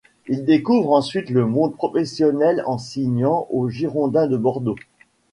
Il découvre ensuite le monde professionnel en signant aux Girondins de Bordeaux.